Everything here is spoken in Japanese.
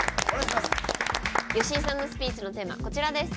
好井さんのスピーチのテーマはこちらです。